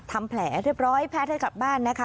ทำแผลเรียบร้อยแพทย์ให้กลับบ้านนะคะ